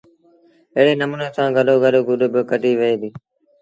ايڙي نموٚني سآݩ گڏو گڏ گُڏ با ڪڍيٚ وهي ديٚ